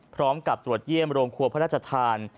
พร้อมกับตรวจเยี่ยมโรงครัวพระราชทาน